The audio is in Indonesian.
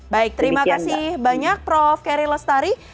baik terima kasih banyak prof keri lestari